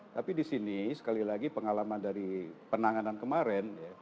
tapi di sini sekali lagi pengalaman dari penanganan kemarin